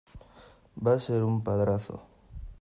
va a ser un padrazo.